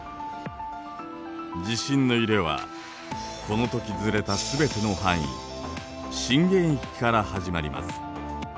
地震の揺れはこの時ずれた全ての範囲震源域から始まります。